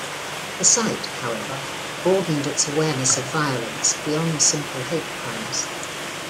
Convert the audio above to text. The site, however, broadened its awareness of violence beyond simple hate crimes.